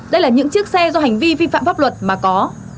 đây là những chiếc xe do hành vi vi phạm pháp luật mà có